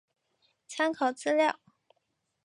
参考资料